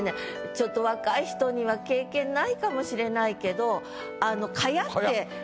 ちょっと若い人には経験ないかもしれないけど。